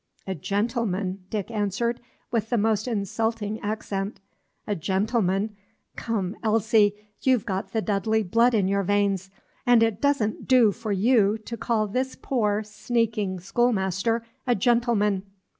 "A gentleman!" Dick answered, with the most insulting accent, "a gentleman! Come, Elsie, you 've got the Dudley blood in your veins, and it does n't do for you to call this poor, sneaking schoolmaster a gentleman!"